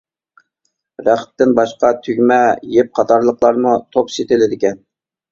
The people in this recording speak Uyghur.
رەختتىن باشقا، تۈگمە، يىپ قاتارلىقلارمۇ توپ سېتىلىدىكەن.